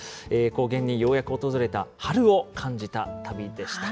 高原にようやく訪れた春を感じた旅でした。